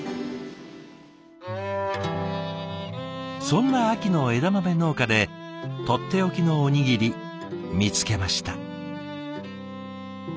そんな秋の枝豆農家でとっておきのおにぎり見つけました。